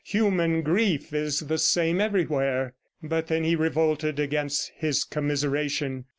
Human grief is the same everywhere. But then he revolted against his commiseration.